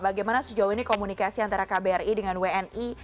bagaimana sejauh ini komunikasi antara kbri dengan wni